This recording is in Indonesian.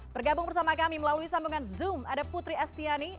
bergabung bersama kami melalui sambungan zoom ada putri astiani